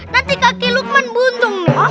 nanti kaki lukman buntung